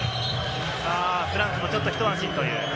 フランツもちょっと、ひと安心という。